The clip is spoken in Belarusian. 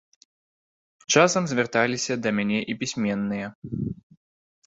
Часам звярталіся да мяне і пісьменныя.